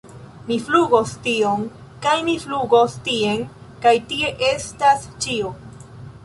Mi flugos tion... kaj mi flugos tien kaj tio estas ĉio!!